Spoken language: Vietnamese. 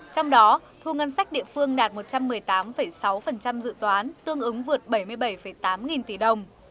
trong đó thu ngân sách địa phương đạt một trăm một mươi tám sáu dự toán tương ứng vượt bảy mươi bảy tám nghìn tỷ đồng